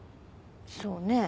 そうね。